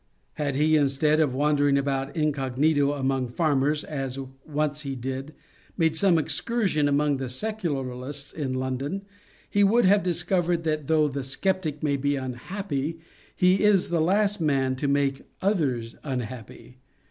Had he, instead of wandering about incognito among farmers, as he once did, made some excursion among the Secularists in London, he would have discovered that though the sceptic may be unhappy, he is the last man to make others unhappy.